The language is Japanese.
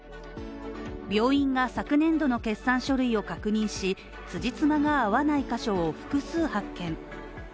病院が昨年度の決算書類を確認し、つじつまが合わない箇所を複数発見。